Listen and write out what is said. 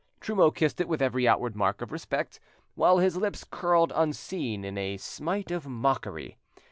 Trumeau kissed it with every outward mark of respect, while his lips curled unseen in a smite of mockery.